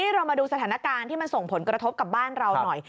เรามาดูสถานการณ์ที่มันส่งผลกระทบกับบ้านเราหน่อย